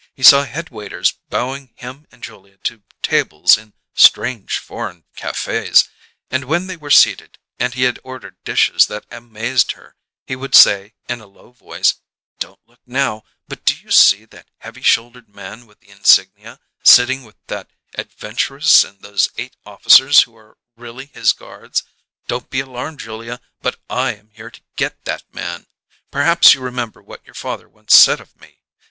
He saw head waiters bowing him and Julia to tables in "strange, foreign cafés," and when they were seated, and he had ordered dishes that amazed her, he would say in a low voice: "Don't look now, but do you see that heavy shouldered man with the insignia, sitting with that adventuress and those eight officers who are really his guards? Don't be alarmed, Julia, but I am here to get that man! Perhaps you remember what your father once said of me?